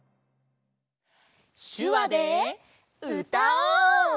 しゅわでうたおう！